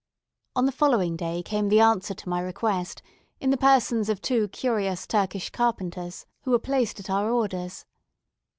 On the following day came the answer to my request, in the persons of two curious Turkish carpenters, who were placed at our orders.